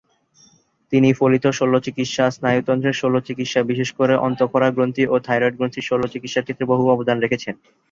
তিনি ফলিত শল্যচিকিৎসা, স্নায়ুতন্ত্রের শল্যচিকিৎসা বিশেষ করে অন্তঃক্ষরা গ্রন্থি ও থাইরয়েড গ্রন্থির শল্যচিকিৎসার ক্ষেত্রে বহু অবদান রেখেছেন।